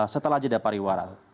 setelah jadah pariwara